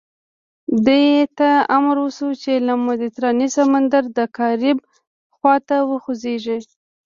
دې ته امر وشو چې له مدیترانې سمندره د کارائیب خوا ته وخوځېږي.